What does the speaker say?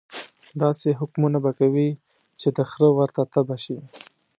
داسې حکمونه به کوي چې د خره ورته تبه شي.